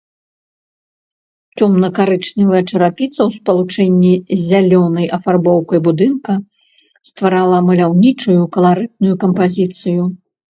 Цёмна-карычневая чарапіца ў спалучэнні з зялёнай афарбоўкай будынка стварала маляўнічую, каларытную кампазіцыю.